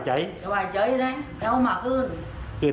คือกะทิบเอามาขึ้น